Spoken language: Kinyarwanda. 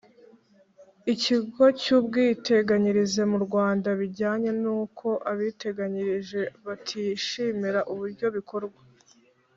Ikigo cy ubwiteganyirize mu rwanda bijyanye n uko abiteganyirije batishimira uburyo bikorwa